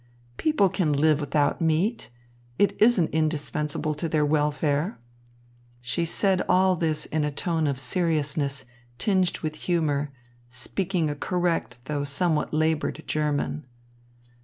People can live without meat. It isn't indispensable to their welfare." She said all this in a tone of seriousness tinged with humour, speaking a correct, though somewhat laboured German.